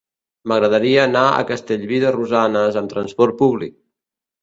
M'agradaria anar a Castellví de Rosanes amb trasport públic.